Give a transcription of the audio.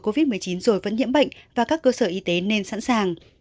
covid một mươi chín rồi vẫn nhiễm bệnh và các cơ sở y tế nên sẵn sàng